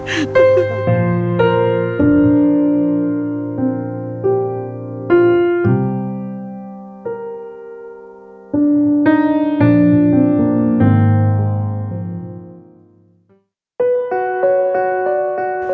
สังคมที่แทบ